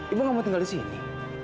ibu gak mau tinggal disini